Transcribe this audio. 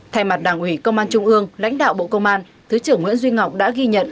thay mặt đảng ủy công an trung ương lãnh đạo bộ công an thứ trưởng nguyễn duy ngọc đã ghi nhận